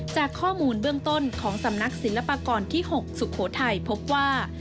จากข้อมูลเบื้องต้นของสำนักศิลปากรที่๖สุโขทัยพบว่า